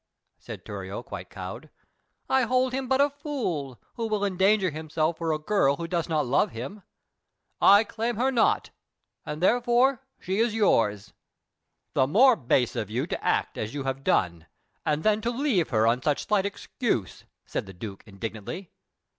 said Thurio, quite cowed. "I hold him but a fool who will endanger himself for a girl who does not love him. I claim her not, and therefore she is yours." "The more base of you to act as you have done, and then to leave her on such slight excuse!" said the Duke indignantly.